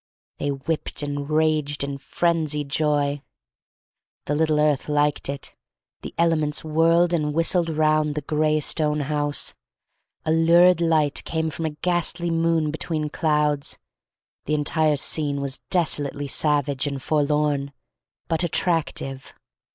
They whipped and raged in frenzied joy. 232 THE STORY OF MARY MAC LANE The little earth liked it. The elements whirled and whistled round the gray stone house. A lurid light came from a ghastly moon between clouds. The entire scene was desolately savage and forlorn, but attractive.